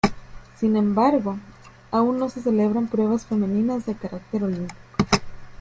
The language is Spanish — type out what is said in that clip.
Sin embargo, aún no se celebran pruebas femeninas de carácter olímpico.